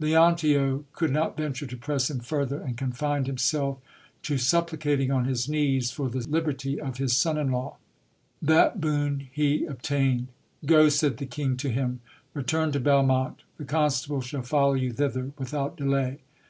Leontio could not venture to press him further, and confined himself to supplicating on his knees for the liberty of his son in law. That boon he obtained. Go, said the king to him, return to Belmonte, the constable shall follow you thither without delay.